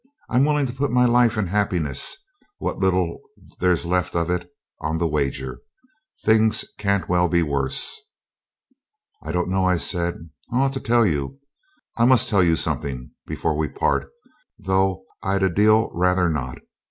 'I'm willing to put my life and happiness, what little there's left of it, on the wager. Things can't well be worse.' 'I don't know,' I said. 'I ought to tell you I must tell you something before we part, though I'd a deal rather not.